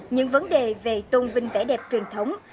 những vấn đề về tôn vinh vẻ đẹp truyền thống